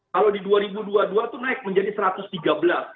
kalau di dua ribu dua puluh dua itu naik menjadi rp satu ratus tiga belas